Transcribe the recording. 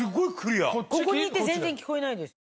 ここにいて全然聞こえないです。